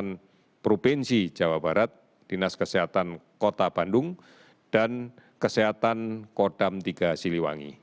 kesehatan provinsi jawa barat dinas kesehatan kota bandung dan kesehatan kodam tiga siliwangi